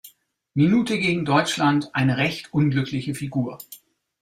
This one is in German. Minute gegen Deutschland eine recht unglückliche Figur.